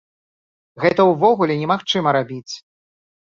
Гэта ўвогуле немагчыма рабіць!